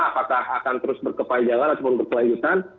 apakah akan terus berkepanjangan ataupun berkelanjutan